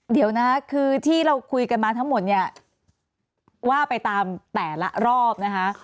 เดี๋ยวนะคือที่เราคุยกันมาทั้งหมดเนี่ยว่าไปตามแต่ละรอบนะคะ